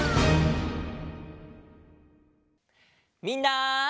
みんな！